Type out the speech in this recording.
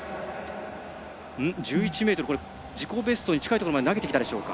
１１ｍ、自己ベストに近いところまで投げたでしょうか。